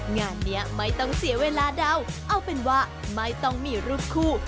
งานนี้ไม่ต้องเสียเวลาเดาเอาเป็นว่าไม่ต้องมีรูปคู่